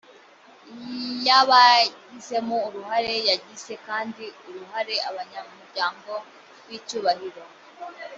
iy abayigizemo uruhare yagize kandi uruharen abanyamuryango b icyubahiro